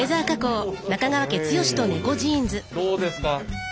どうですか？